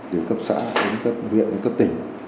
từ cấp xã đến cấp huyện đến cấp tỉnh